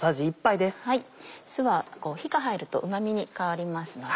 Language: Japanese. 酢は火が入るとうまみに変わりますので。